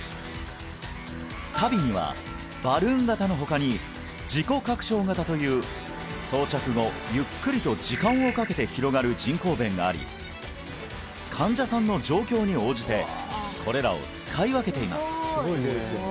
ＴＡＶＩにはバルーン型の他に自己拡張型という装着後ゆっくりと時間をかけて広がる人工弁があり患者さんの状況に応じてこれらを使い分けています